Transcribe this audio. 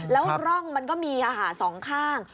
แล้วร่องมันก็มีสองข้าง